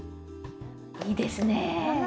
いいですね。